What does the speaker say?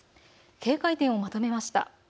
警戒点をまとめました。